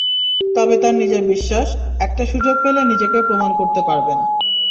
তবে তাঁর নিজের বিশ্বাস, একটা সুযোগ পেলে নিজেকে প্রমাণ করতে পারবেন।